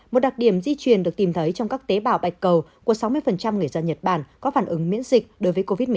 một đặc điểm di truyền được tìm thấy trong các tế bào bạch cầu của sáu mươi người dân nhật bản có phản ứng miễn dịch đối với covid một mươi chín